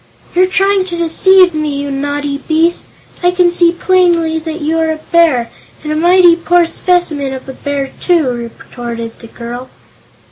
"You're trying to deceive me, you naughty beast! I can see plainly that you are a bear, and a mighty poor specimen of a bear, too," retorted the girl.